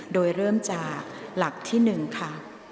โดยเริ่มจากหลักที่๑ค่ะ